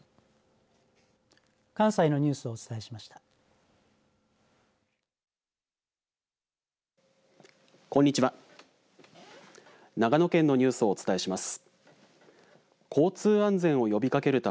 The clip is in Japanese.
関西のニュースをお伝えしました。